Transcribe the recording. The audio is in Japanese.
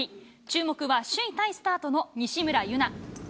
注目は首位タイスタートの西村優菜。